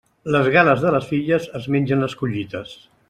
Les gales de les filles es mengen les collites.